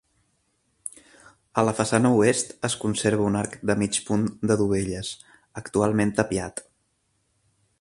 A la façana oest es conserva un arc de mig punt de dovelles, actualment tapiat.